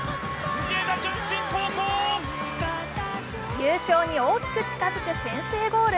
優勝に大きく近づく先制ゴール。